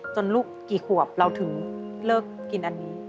ลูกกี่ขวบเราถึงเลิกกินอันนี้